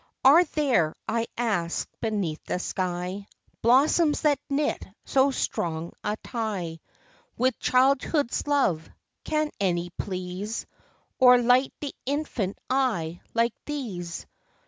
Are there, I ask, beneath the sky Blossoms that knit so strong a tie With ChildhoodŌĆÖs love ? can any please Or light the infant eye like these